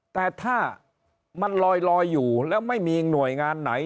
แต่ถ้ามันลอยอยู่แล้วไม่มีหน่วยงานไหน